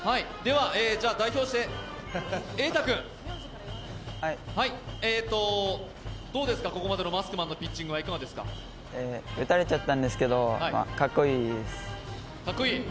代表して瑛太君、どうですか、ここまでのマスクマンのピッチングは打たれちゃったんですけど、かっこいいです。